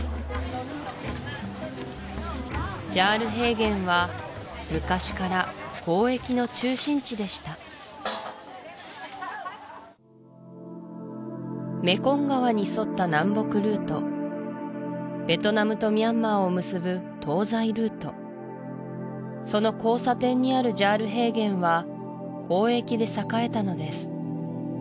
ジャール平原は昔から交易の中心地でしたメコン川に沿った南北ルートベトナムとミャンマーを結ぶ東西ルートその交差点にあるジャール平原は交易で栄えたのです